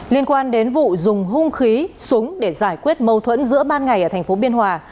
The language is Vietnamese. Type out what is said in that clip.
liên quan đến vụ dùng hung khí súng để giải quyết mâu thuẫn giữa ban ngày ở thành phố biên hòa